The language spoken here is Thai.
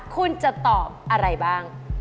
คุณจะตอบอะไรบ้าง